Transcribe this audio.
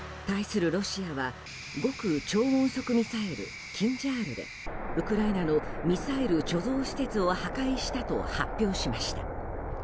対するロシアは極超音速ミサイル「キンジャール」でウクライナのミサイル貯蔵施設を破壊したと発表しました。